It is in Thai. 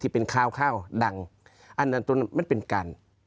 เป็นการปลายเหตุรถระเบิด